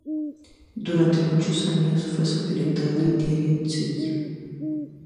Durante muchos años fue subdirector del diario "Sevilla".